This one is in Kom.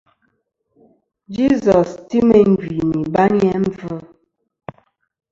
Jesus ti meyn gvì nɨ̀ ibayni a mbvɨ.